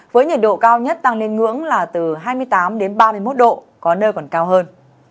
với nhiệt độ cao nhất tăng lên ngưỡng là từ hai mươi tám ba mươi một độ có nơi còn cao hơn